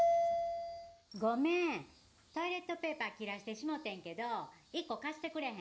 ごめんトイレットペーパー切らしてしもてんけど１個貸してくれへん？